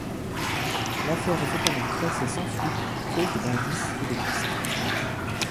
L'affaire est cependant classée sans suite, faute d’indices et de pistes.